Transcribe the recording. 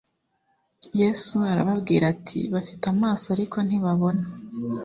yesu arabwira ati bafite amaso ariko ntibabona